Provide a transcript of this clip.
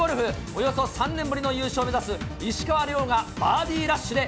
およそ３年ぶりの優勝を目指す石川遼がバーディーラッシュで、